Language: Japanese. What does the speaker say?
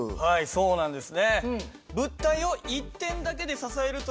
そうなんです。